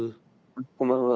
こんばんは。